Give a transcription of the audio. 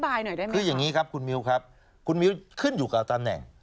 หน่อยได้ไหมคืออย่างนี้ครับคุณมิวครับคุณมิ้วขึ้นอยู่กับตำแหน่ง